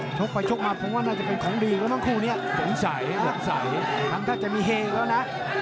ชกไปชกมาผมว่าน่าจะเป็นของดีแล้วทั้งคู่เนี้ยต้องใส่ต้องใส่หลังจากจะมีเฮล์แล้วนะ